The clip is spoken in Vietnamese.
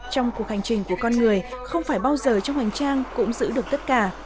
trong cuộc hành trình của con người không phải bao giờ trong hành trang cũng giữ được tất cả